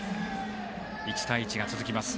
１対１が続きます。